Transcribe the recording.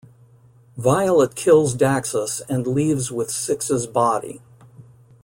Violet kills Daxus and leaves with Six's body.